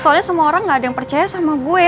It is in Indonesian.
soalnya semua orang gak ada yang percaya sama gue